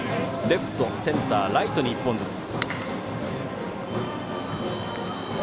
レフト、センター、ライトに１本ずつ。